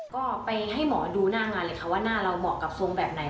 ก็ไปให้หมอดูหน้างานเลยค่ะว่าหน้าเราเหมาะกับทรงแบบไหน